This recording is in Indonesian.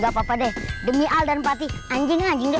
gapapa deh demi al dan fatih anjingnya anjing deh